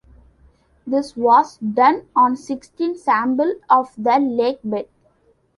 This was done on sixteen samples of the lake bed.